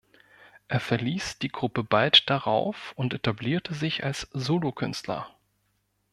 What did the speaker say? Er verließ die Gruppe bald darauf und etablierte sich als Solokünstler.